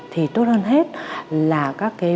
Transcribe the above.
thì tốt hơn hết là các cái